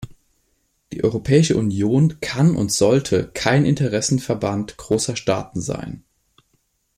Die Europäische Union kann und sollte kein Interessenverband großer Staaten sein.